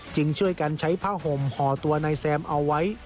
ช่วยกันใช้ผ้าห่มห่อตัวนายแซมเอาไว้